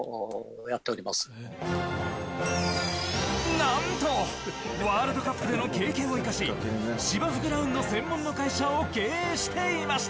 何とワールドカップでの経験を生かし芝生グラウンド専門の会社を経営していました。